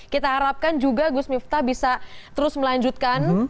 kita harapkan juga gus miftah bisa terus melanjutkan